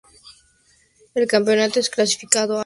El campeonato es clasificatorio al